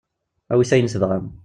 Awit ayen tebɣam.